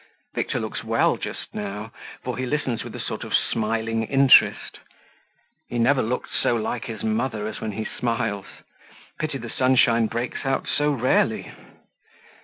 Victor looks well just now, for he listens with a sort of smiling interest; he never looks so like his mother as when he smiles pity the sunshine breaks out so rarely!